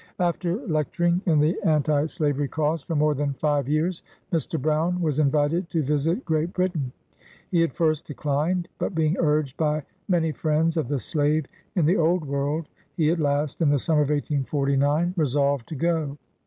After lecturing in the Anti Slavery cause for more than five years, Mr. Brown was invited to visit Great Britain. He at first declined; but being urged by many friends of the slave in the Old World, he at last, in the summer of 1849, resolved to go.